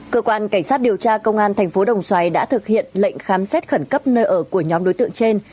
cơ quan cảnh sát điều tra công an thành phố đồng xoài đã thực hiện lệnh khám xét khẩn cấp nơi ở của nhóm đối tượng trên